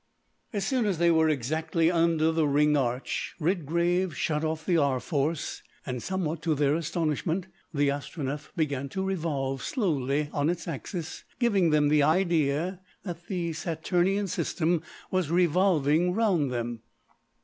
As soon as they were exactly under the Ring arch, Redgrave shut off the R. Force, and, somewhat to their astonishment, the Astronef began to revolve slowly on its axis, giving them the idea that the Saturnian System was revolving round them.